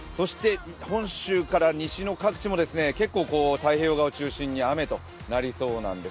本州から西の各地も結構太平洋側を中心に雨となりそうなんです。